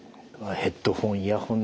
ヘッドホン・イヤホン